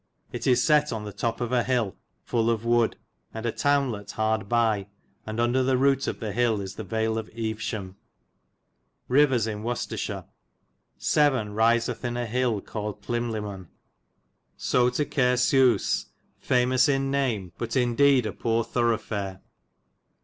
It is set on the tope of an hill full of wood, and a townelet hard by, and undar the roote of the hille is the Vale of Eovesham. Rivers in Wicestershire. Severne risithe in a hill cawlyd Plimlimmon. So to Cair Sews,* famous in name, but in dede a pore thrwghe faire.